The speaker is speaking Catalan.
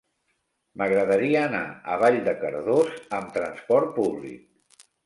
M'agradaria anar a Vall de Cardós amb trasport públic.